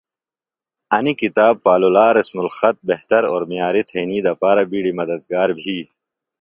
انیۡ کِتاب پالولا رسم الخط بہتر او معیاریۡ تھئنی دپارہ بیڈیۡ مدد گار بھی۔